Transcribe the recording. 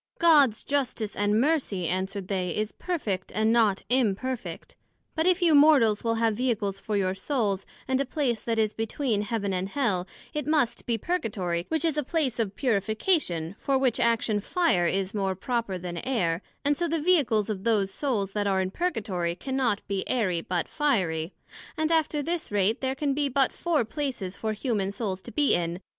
God's Justice and Mercy, answered they, is perfect, and not imperfect; but if you Mortals will have Vehicles for your Souls, and a place that is between Heaven and Hell, it must be Purgatory, which is a place of Purification, for which action Fire is more proper then Air; and so the Vehicles of those Souls that are in Purgatory, cannot be airy, but fiery; and after this rate there can be but four places for human Souls to be in, viz.